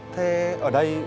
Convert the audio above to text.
thế ở đây